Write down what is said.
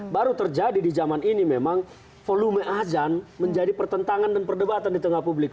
baru terjadi di zaman ini memang volume azan menjadi pertentangan dan perdebatan di tengah publik